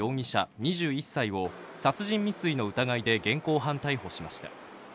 ２１歳を殺人未遂の疑いで現行犯逮捕しました。